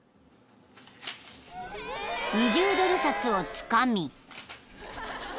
［２０ドル札をつかみ］